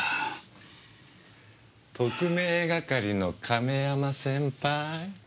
特命係の亀山先輩。